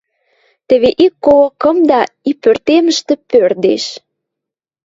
Теве ик кого кымда и пӧртемӹштӹ пӧрдеш.